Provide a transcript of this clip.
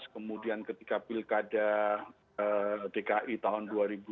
kemudian ketika pilkada dki tahun dua ribu tujuh belas